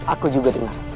aku juga dengar